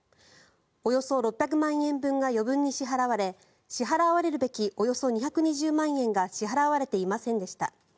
およそ６００万円分が余分に支払われ支払われるべきおよそ２２０万円が支払われていませんでした。